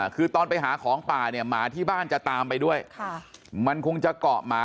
คือตอนไปหาของป่าเนี่ยหมาที่บ้านจะตามไปด้วยมันคงจะเกาะหมา